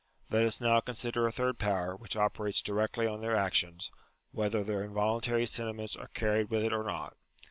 Let us now consider a third power which operates directly on their actions, whether their involuntary sentiments are carried with it or not.